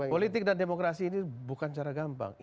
politik dan demokrasi ini bukan cara gampang